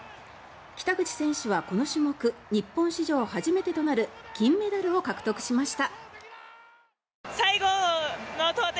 北口選手はこの種目日本史上初めてとなる金メダルを獲得しました。